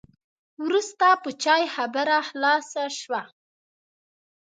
وروسته په چای خبره خلاصه شوه.